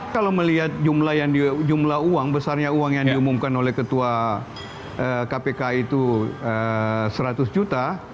kalau melihat jumlah uang besarnya uang yang diumumkan oleh ketua kpk itu seratus juta